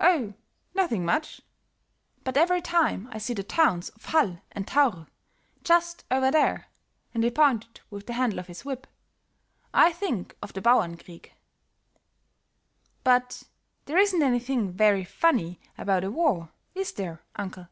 "Oh, nothing much; but every time I see the towns of Hall and Thaur, just over there," and he pointed with the handle of his whip, "I think of the Bauernkrieg." "But there isn't anything very funny about a war, is there, uncle?"